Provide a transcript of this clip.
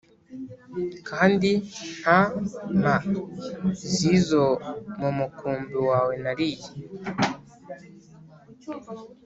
kandi nta m zi zo mu mukumbi wawe nariye